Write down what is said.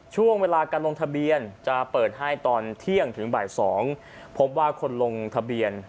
ช่วงเวลาการลงทะเบียนจะเปิดให้ตอนเที่ยงถึงบ่าย๒พบว่าคนลงทะเบียน